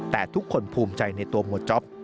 แต่ทุกคนภูมิใจในตัวหมวดจ๊อป